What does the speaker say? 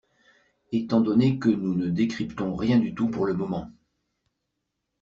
Étant donné que nous ne décryptons rien du tout pour le moment.